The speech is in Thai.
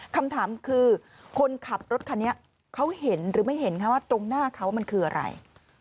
คำถามคือคนขับรถคันนี้เขาเห็นหรือไม่เห็นคะว่าตรงหน้าเขามันคืออะไร